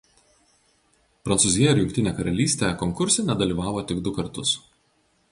Prancūzija ir Jungtinė Karalystė konkurse nedalyvavo tik du kartus.